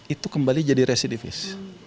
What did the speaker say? itu kembali jadi residivis